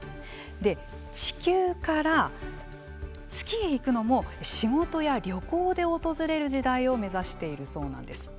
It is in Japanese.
で地球から月へ行くのも仕事や旅行で訪れる時代を目指しているそうなんです。